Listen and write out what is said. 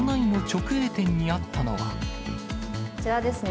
こちらですね。